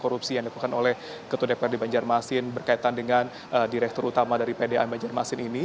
korupsi yang dilakukan oleh ketua dprd banjarmasin berkaitan dengan direktur utama dari pdam banjarmasin ini